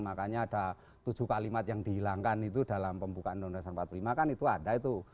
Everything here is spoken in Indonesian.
makanya ada tujuh kalimat yang dihilangkan itu dalam pembukaan undang undang dasar empat puluh lima kan itu ada itu